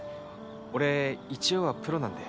俺一応はプロなんで。